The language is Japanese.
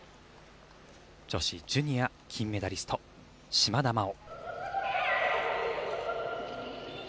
女子ジュニア金メダリスト島田麻央。